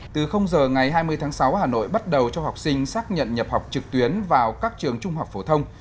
từ giờ ngày hai mươi tháng sáu hà nội bắt đầu cho học sinh xác nhận nhập học trực tuyến vào các trường trung học phổ thông